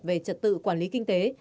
về trật tự quản lý kinh tế